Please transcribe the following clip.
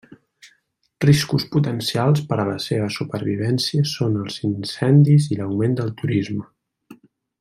Riscos potencials per a la seva supervivència són els incendis i l'augment del turisme.